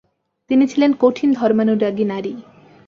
তিনি ছিলেন কঠিন ধর্মানুরাগী নারী।